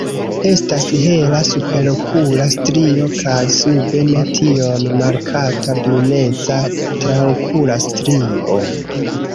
Estas hela superokula strio kaj sube ne tiom markata bruneca traokula strio.